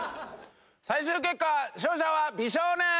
最終結果勝者は美少年！